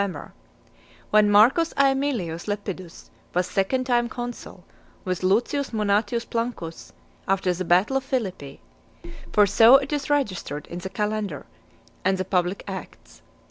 ], when Marcus Aemilius Lepidus was second time consul, with Lucius Munatius Plancus , after the battle of Philippi; for so it is registered in the calendar, and the public acts.